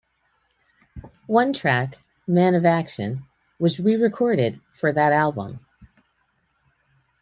One track, "Man o' Action", was re-recorded for that album.